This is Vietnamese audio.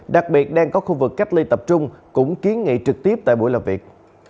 đặc biệt đang có khu vực cách ly tập trung cũng kiến nghị trực tiếp tại buổi làm việc